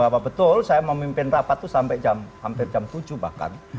bahwa betul saya memimpin rapat itu sampai hampir jam tujuh bahkan